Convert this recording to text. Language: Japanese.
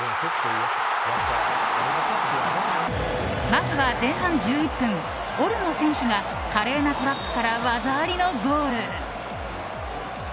まずは前半１１分オルモ選手が華麗なトラップから技ありのゴール。